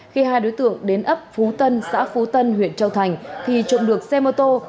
khi hai đối tượng đến ấp phú tân xã phú tân huyện châu thành thì trộm được xe mô tô